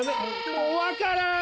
もうわからん！